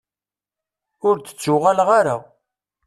Ur d-ttuɣaleɣ ara.